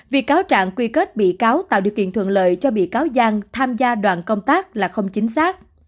việc cáo trạng quy kết bị cáo tạo điều kiện thuận lợi cho bị cáo giang tham gia đoàn công tác là không chính xác